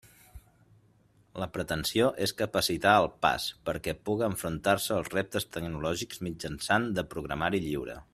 La pretensió és capacitar el PAS perquè puga enfrontar-se als reptes tecnològics mitjançant de Programari Lliure.